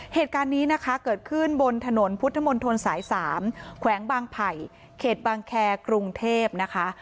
เหตุการณ์นี้นะคะเกิดขึ้นบนถนนพุทธมนตรสาย๓แขวงบางไผ่เขตบางแครกรุงเทพนะคะ